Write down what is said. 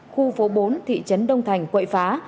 khu phố bốn thị trấn đông thành quậy phá